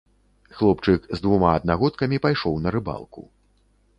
Хлопчык з двума аднагодкамі пайшоў на рыбалку.